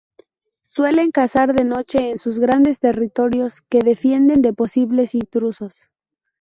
Suelen cazar de noche en sus grandes territorios, que defienden de posibles intrusos.